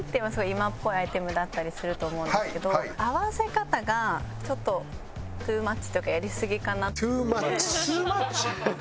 今っぽいアイテムだったりすると思うんですけど合わせ方がちょっとＴｏｏｍｕｃｈというかやりすぎかな。